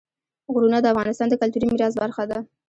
غرونه د افغانستان د کلتوري میراث برخه ده.